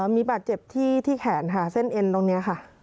มีบาดเจ็บที่แขนค่ะเส้นเอ็นตรงนี้ค่ะ